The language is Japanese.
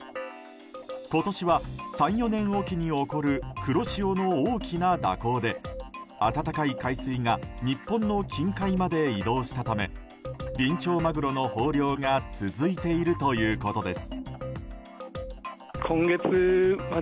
今年は３４年おきに起こる黒潮の大きな蛇行で温かい海水が日本の近海まで移動したためビンチョウマグロの豊漁が続いているということです。